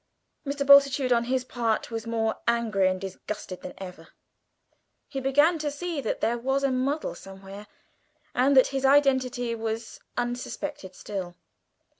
Mr. Bultitude on his part was more angry and disgusted than ever. He began to see that there was a muddle somewhere, and that his identity was unsuspected still.